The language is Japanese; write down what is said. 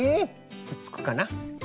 くっつくかな。